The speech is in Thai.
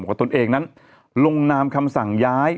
ตนเองนั้นลงนามคำสั่งย้าย